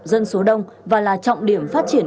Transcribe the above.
dân số đông và là trọng điểm phát triển